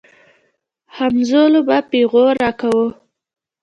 همزولو به پيغور راکاوه.